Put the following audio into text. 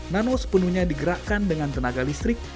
nano sepenuhnya digerakkan dengan tenaga listrik